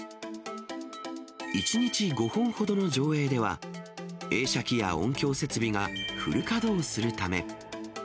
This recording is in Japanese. １日５本ほどの上映では、映写機や音響設備がフル稼働するため。